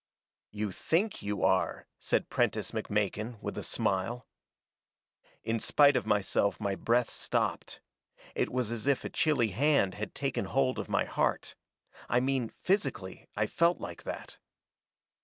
"'You THINK you are,' said Prentiss McMakin, with a smile. "In spite of myself my breath stopped. It was as if a chilly hand had taken hold of my heart. I mean, physically, I felt like that.